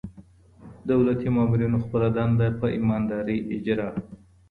دولتي مامورینو خپله دنده په ایماندارۍ اجرا.